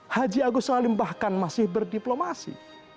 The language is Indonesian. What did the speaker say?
haji agus salim bahkan masih berdiplomasi